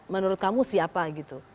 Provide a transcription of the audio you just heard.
menurut kamu siapa gitu